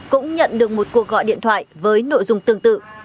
cũng nhận được một cuộc gọi điện thoại với nội dung tương tự